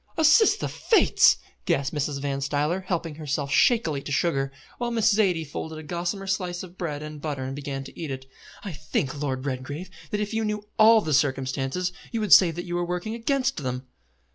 "Assist the Fates!" gasped Mrs. Van Stuyler, helping herself shakingly to sugar, while Miss Zaidie folded a gossamer slice of bread and butter and began to eat it; "I think, Lord Redgrave, that if you knew all the circumstances, you would say that you were working against them."